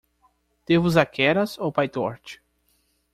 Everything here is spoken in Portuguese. Devo usar Keras ou Pytorch?